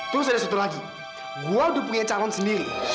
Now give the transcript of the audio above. terus ada satu lagi gua udah punya calon sendiri